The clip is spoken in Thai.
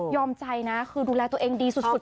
ยอมใจนะคือดูแลตัวเองดีสุดเลยอะ